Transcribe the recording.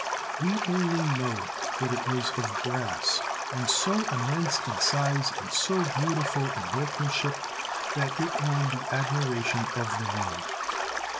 We only know that it was of brass, and so immense in size, and so beautiful in workmanship, that it won the admiration of the world.